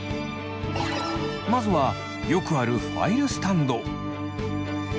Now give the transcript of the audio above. まずはよくあるファイルスタンド。